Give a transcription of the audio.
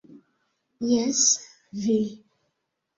Jes, vi.